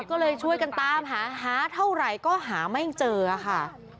ก็เลยช่วยกันตามหาหาเท่าไหร่ก็หาไม่เจอค่ะ